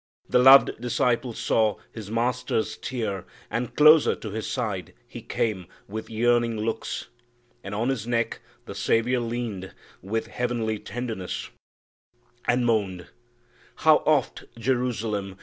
The loved disciple saw His Master's tear, and closer to His side He came with yearning looks, and on his neck The Saviour leaned with heavenly tenderness, And mourned, 'How oft, Jerusalem!